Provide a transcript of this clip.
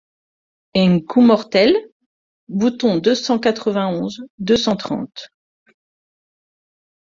Ung coup mortel Bouton deux cent quatre-vingt-onze deux cent trente.